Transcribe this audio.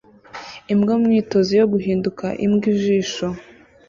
Imbwa mu myitozo yo guhinduka imbwa-ijisho